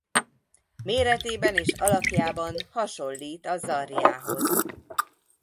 Méretében és alakjában hasonlít a Zarjához.